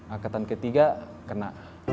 angkatan ketiga kena